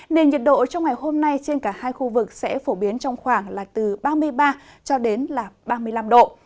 nên nhiệt độ trong ngày hôm nay trên cả hai khu vực sẽ phổ biến trong khoảng là từ ba mươi ba ba mươi năm độ